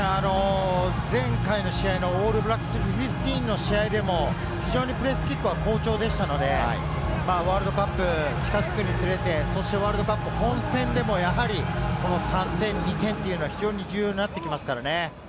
前回の試合のオールブラックスＸＶとの試合でも非常にプレースキックは好調でしたので、ワールドカップが近づくにつれて、ワールドカップ本戦でもやはり、３点、２点というのは非常に重要になってきますからね。